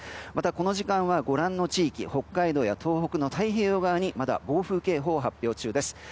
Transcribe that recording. またこの時間はご覧の地域北海道や東北の太平洋側にまだ暴風警報が発表中です。